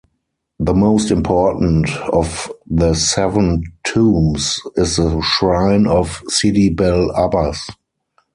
The most important of the seven tombs is the shrine of Sidi Bel Abbas.